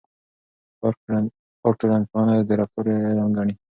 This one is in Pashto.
پارک ټولنپوهنه د رفتار علم ګڼي.